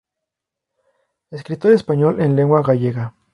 Escritor español en lengua gallega.